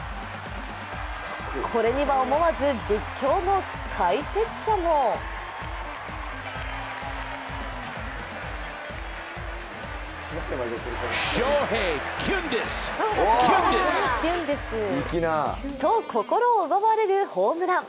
これには思わず実況も解説者もと心を奪われるホームラン。